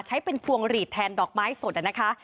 ใช้เป็นพวงหลีดแทนดอกไม้สดนะคะ